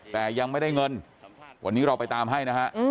แต่ยังไม่ได้เงินวันนี้เราไปตามให้นะฮะ